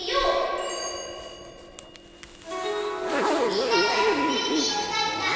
みんなのＳＤＧｓかるた。